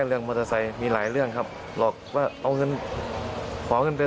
ก็เลยตามไปที่บ้านไม่พบตัวแล้วค่ะ